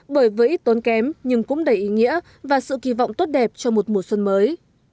bởi với ít tốn kém nhưng cũng đầy ý nghĩa và sự kỳ vọng tốt đẹp cho một mùa xuân mới